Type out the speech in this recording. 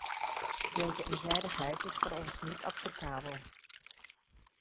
Deze eenzijdigheid is voor ons niet acceptabel.